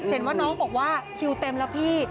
เห็นว่าน้องบอกว่าคิวเต็มแล้วพี่